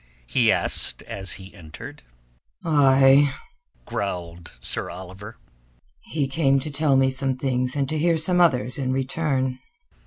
he asked as he entered. "Aye," growled Sir Oliver. "He came to tell me some things and to hear some others in return."